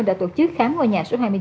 đã tổ chức khám ngôi nhà số hai mươi chín